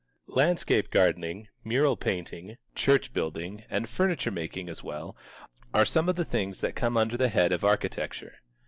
Landscape gardening, mural painting, church building, and furniture making as well, are some of the things that come under the head of architecture.